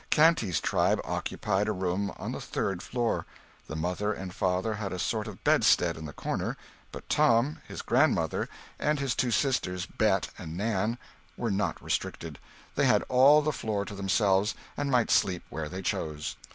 Canty's tribe occupied a room on the third floor. The mother and father had a sort of bedstead in the corner; but Tom, his grandmother, and his two sisters, Bet and Nan, were not restricted they had all the floor to themselves, and might sleep where they chose.